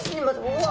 うわ！